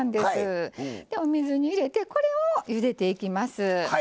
お水に入れてこれをゆでていきます。